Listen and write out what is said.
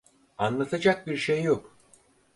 Anlatacak bir şey yok.